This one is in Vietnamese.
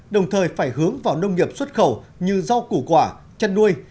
đồng thời phải hướng vào nông nghiệp xuất khẩu như rau củ quả chăn nuôi